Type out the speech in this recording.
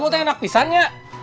rumah kamu enak bisa enak